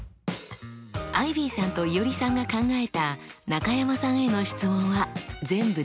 アイビーさんといおりさんが考えた中山さんへの質問は全部で８問。